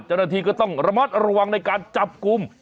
เจ้าหน้าที่ก็ต้องระมัดระวังในการจับกลุ่ม